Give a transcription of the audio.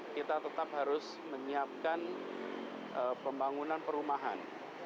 kita tetap harus menyiapkan pembangunan perumahan